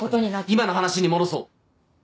今の話に戻そう。